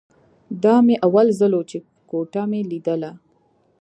دا مې اول ځل و چې کوټه مې ليدله.